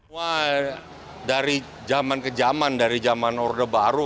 wah dari zaman ke zaman dari zaman orde baru